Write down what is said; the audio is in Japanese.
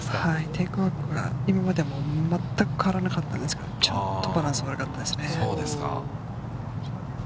テークバックが今までも全く変わらなかったです、ちょっとバランス悪かったですね。